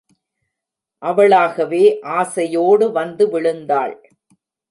அவளாகவே ஆசையோடு வந்து விழுந்தாள்.